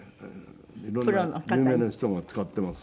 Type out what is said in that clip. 色んな有名な人が使っています。